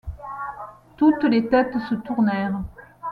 Toutes les têtes se tournèrent.